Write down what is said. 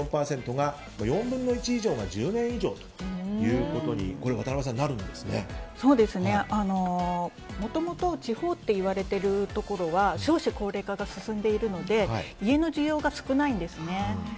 ２７．４％、４分の１以上が１０年以上ということにもともと地方といわれているところは少子高齢化が進んでいるので家の需要が少ないんですね。